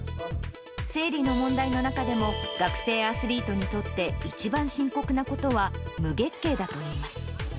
生理の問題の中でも、学生アスリートにとって、一番深刻なことは、無月経だといいます。